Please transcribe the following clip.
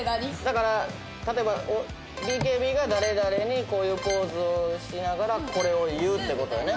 だから例えばＢＫＢが誰々にこういうポーズをしながらこれを言うって事よね。